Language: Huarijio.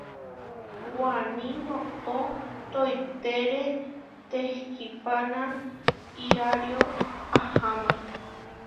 Waní noʼó toitére tekihpana irario aháma.